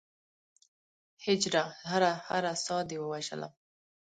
هجره! هره هره ساه دې ووژلم